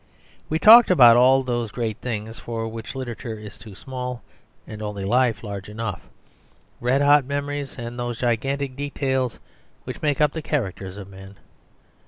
We talked about all those great things for which literature is too small and only life large enough; red hot memories and those gigantic details which make up the characters of men.